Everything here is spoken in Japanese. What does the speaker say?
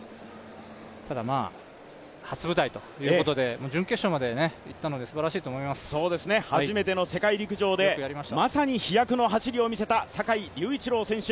ただ、初舞台ということで準決勝までいったので初めての世界陸上でまさに飛躍の走りを見せた坂井隆一郎選手。